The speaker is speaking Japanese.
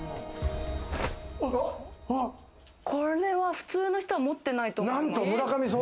これは普通の人は持ってないと思う。